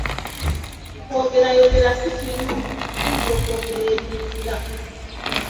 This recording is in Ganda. Okwogerayogera si kirungi oyinza okwogera ebiyitira.